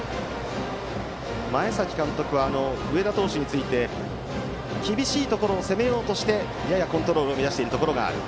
前崎監督は、上田投手について厳しいところを攻めようとしてややコントロールを乱しているところがある。